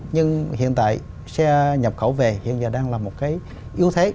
nhưng hiện tại xe nhập khẩu về hiện giờ đang là một cái yếu thế